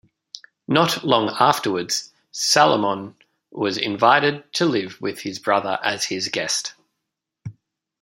Not long afterwards, Salomon was invited to live with his brother as his guest.